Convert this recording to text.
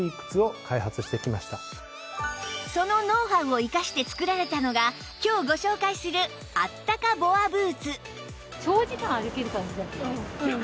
そのノウハウを生かして作られたのが今日ご紹介するあったかボアブーツ